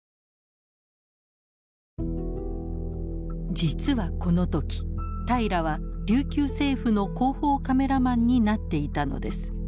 実はこの時平良は琉球政府の広報カメラマンになっていたのです。